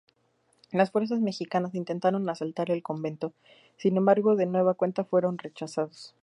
Las fuerzas mexicanas intentaron asaltar el convento, sin embargo de nueva cuenta fueron rechazados.